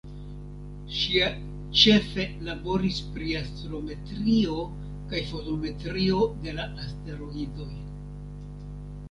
Ŝia ĉefe laboris pri astrometrio kaj fotometrio de la asteroidoj.